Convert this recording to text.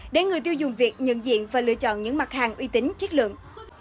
để người tiêu dùng việt nhận diện và lựa chọn những mặt hàng uy tín chất lượng